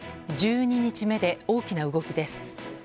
１２日目で、大きな動きです。